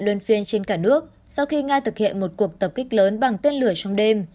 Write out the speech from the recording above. luân phiên trên cả nước sau khi nga thực hiện một cuộc tập kích lớn bằng tên lửa trong đêm